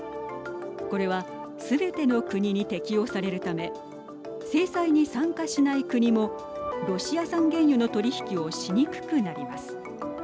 これはすべての国に適用されるため制裁に参加しない国もロシア産原油の取り引きをしにくくなります。